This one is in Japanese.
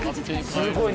すごい。